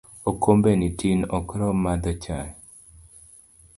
Okombe ni tin ok rom madho chai